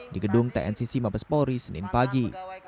di gedung tncc mabes polri senin pagi